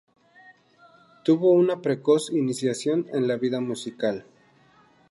Tuvo una precoz iniciación en la vida musical.